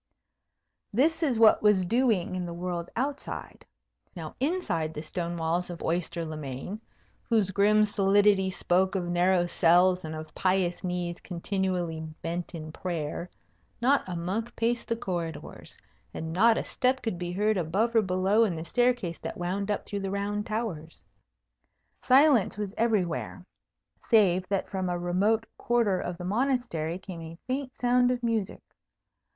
This is what was doing in the world outside. Now inside the stone walls of Oyster le Main, whose grim solidity spoke of narrow cells and of pious knees continually bent in prayer, not a monk paced the corridors, and not a step could be heard above or below in the staircase that wound up through the round towers. Silence was everywhere, save that from a remote quarter of the Monastery came a faint sound of music.